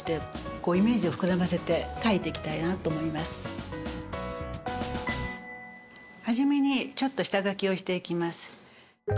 教えてくれるのは初めにちょっと下書きをしていきます。